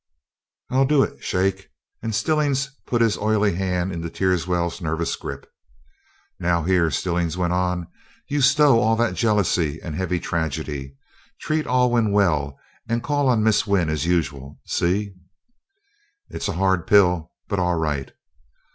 "I'll do it shake!" And Stillings put his oily hand into Teerswell's nervous grip. "Now, here," Stillings went on, "you stow all that jealousy and heavy tragedy. Treat Alwyn well and call on Miss Wynn as usual see?" "It's a hard pill but all right."